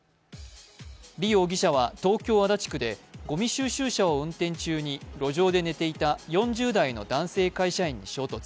李容疑者は東京・足立区でごみ収集車を運転中に路上で寝ていた４０代の男性会社員に衝突。